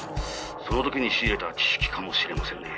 「その時に仕入れた知識かもしれませんねぇ」